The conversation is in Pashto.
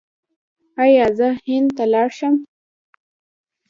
ایا زه هند ته لاړ شم؟